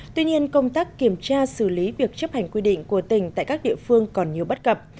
tuy nhiên công tác kiểm tra xử lý việc chấp hành quy định của tỉnh tại các địa phương còn nhiều bất cập